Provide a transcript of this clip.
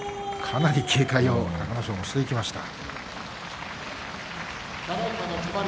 かなり警戒を隆の勝もしていきました。